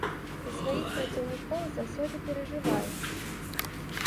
За сваіх працаўнікоў заўсёды перажываю.